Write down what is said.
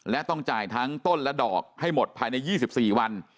และต้องจ่ายทั้งต้นและดอกให้หมดภายใน๒๔วัน